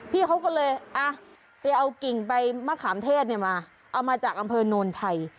พี่เขาก็เลยไปเอากิ่งใบมะขามเทศมาเอามาจากอำเภอโนนไทย